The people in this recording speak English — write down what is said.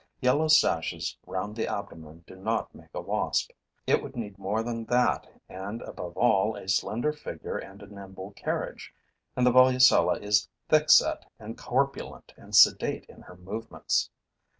Yellow sashes round the abdomen do not make a wasp. It would need more than that and, above all, a slender figure and a nimble carriage; and the Volucella is thickset and corpulent and sedate in her movements.